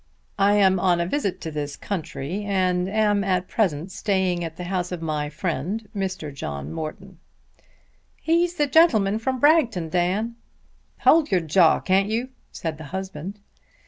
"I am on a visit to this country and am at present staying at the house of my friend, Mr. John Morton." "He's the gentl'man from Bragton, Dan." "Hold your jaw, can't you?" said the husband.